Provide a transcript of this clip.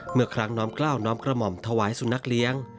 เมื่อครั้งน้อมกล้าวน้อมกระหม่อมถวายสุนัขเลี้ยง